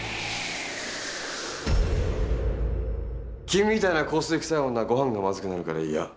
君みたいな香水くさい女ごはんがまずくなるから嫌。